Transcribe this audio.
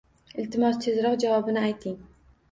Iltimos, tezroq javobini ayting